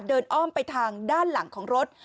อ้อมไปทางด้านหลังของรถ